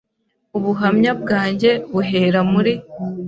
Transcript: Ubuhamya bwanjye buhera muri